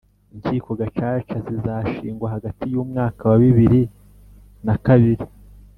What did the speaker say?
inkiko gacaca zizashingwa hagati w'umwaka wabibiri na kabiri